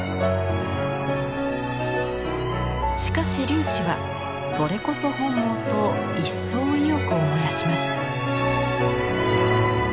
しかし龍子はそれこそ本望と一層意欲を燃やします。